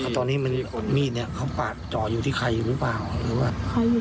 ตอนนี้มีดเขาปาดจออยู่ที่ใครหรือเปล่า